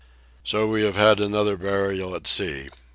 So we have had another burial at sea.